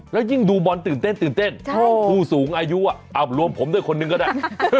แล้วยิ่งดูบอลตื่นเต้นผู้สูงอายุอ่ะอ้าวรวมผมด้วยคนนึงก็ได้